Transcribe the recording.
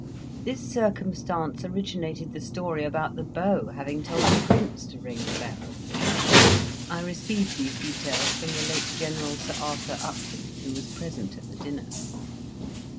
This circumstance originated the story about the beau having told the Prince to ring the bell. I received these details from the late General Sir Arthur Upton, who was present at the dinner.